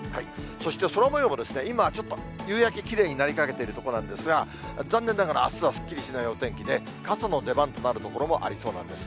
そして空もようも、今、ちょっと夕焼けきれいになりかけてるところなんですが、残念ながらあすはすっきりしないお天気で、傘の出番となる所もありそうなんです。